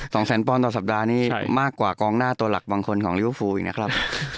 ถูกค่ะ๒๐๐๐๐๐ป่อนต่อสัปดาห์นี้มากกว่ากองหน้าตัวหลักบางคนของลิเวิร์ดฟูลเองแน่ครับ